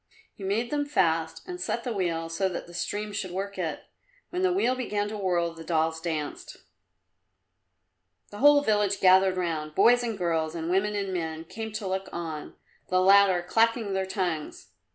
He made them fast and set the wheel so that the stream should work it. When the wheel began to whirl the dolls danced. The whole village gathered round boys and girls and women and men came to look on, the latter clacking their tongues.